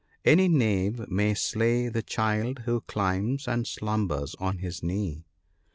Any knave may slay the child who climbs and slumbers on his knee."